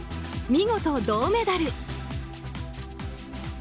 見事、銅メダル。